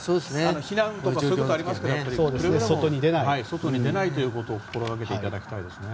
避難とかそういうこともありますけどくれぐれも外に出ないことを心掛けていただきたいですね。